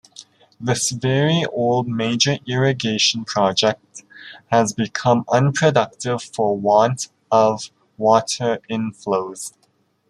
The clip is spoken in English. This very old major irrigation project has become unproductive for want of water inflows.